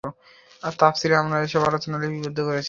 তাফসীরে আমরা এসব আলোচনা লিপিবব্ধ করেছি।